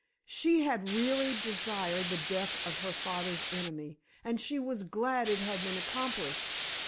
She had really desired the death of her father's enemy, and she was glad it had been accomplished!